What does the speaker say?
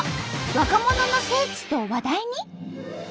若者の聖地と話題に？